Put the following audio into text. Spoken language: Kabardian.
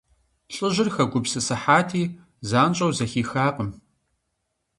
ЛӀыжьыр хэгупсысыхьати, занщӀэу зэхихакъым.